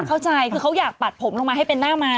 เข้าใจคือเขาอยากปัดผมลงมาให้เป็นหน้าไม้